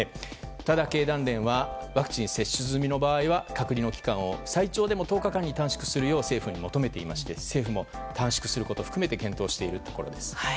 ただ、経団連はワクチン接種済みの場合は隔離の期間を最長でも１０日間に短縮するよう政府に求めていまして政府も短縮することを含めて検討しているところです。